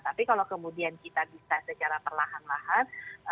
tapi kalau kemudian kita bisa secara perlahan lahan